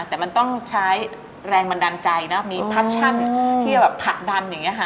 แต่มันต้องใช้แรงบันดาลใจนะมีแพชชั่นที่จะแบบผลักดันอย่างนี้ค่ะ